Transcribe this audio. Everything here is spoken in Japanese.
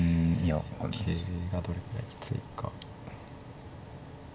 桂がどれぐらいきついか。